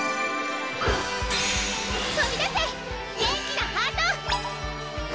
とびだせ元気なハート！